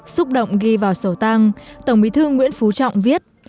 xúc động ghi vào sổ tang tổng bí thư nguyễn phú trọng viết